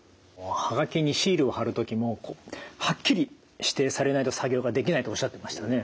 はがきにシールを貼る時もはっきり指定されないと作業ができないとおっしゃってましたよね。